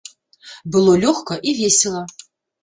Было лёгка і весела.